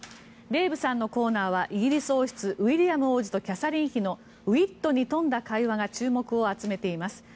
デーブさんのコーナーはイギリス王室ウィリアム王子とキャサリン妃のウィットに富んだ会話が話題を呼んでいます。